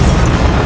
mohon ampun raden